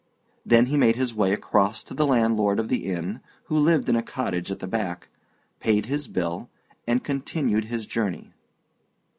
Then he made his way across to the landlord of the inn (who lived in a cottage at the back), paid his bill, and continued his journey.